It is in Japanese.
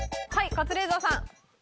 カズレーザーさん。